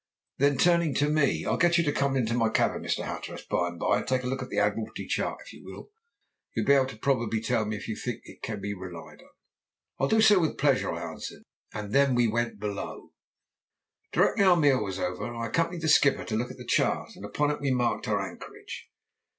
Then turning to me, "I'll get you to come into my cabin, Mr. Hatteras, by and by and take a look at the Admiralty chart, if you will. You will be able probably to tell me if you think it can be relied on." "I'll do so with pleasure," I answered, and then we went below. Directly our meal was over I accompanied the skipper to look at the chart, and upon it we marked our anchorage.